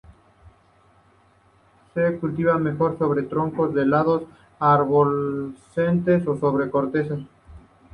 Se cultivan mejor sobre troncos de helechos arborescentes ó sobre cortezas.